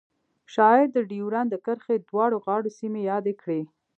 شاعر د ډیورنډ د کرښې دواړو غاړو سیمې یادې کړې